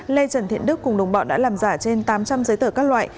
lê trần thiện đức cùng đồng bọn đã làm giả trên tám trăm linh giấy tờ các loại